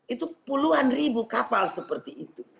itu puluhan ribu kapal seperti itu